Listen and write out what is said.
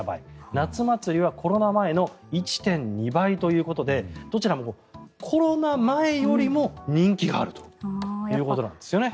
夏祭りはコロナ前の１．２倍ということでどちらもコロナ前よりも人気があるということなんですよね。